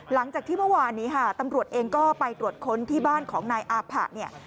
หลังจากที่เมื่อวานนี้ค่ะตำรวจเองก็ไปตรวจค้นที่บ้านของนายอาผะเนี่ย